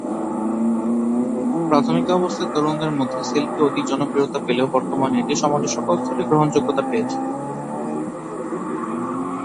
প্রাথমিক অবস্থায় তরুণদের মধ্যে সেলফি অধিক জনপ্রিয়তা পেলেও বর্তমানে এটি সমাজের সকল স্তরে গ্রহণযোগ্যতা পেয়েছে।